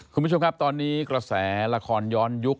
คุณผู้ชมครับตอนนี้กระแสละครย้อนยุค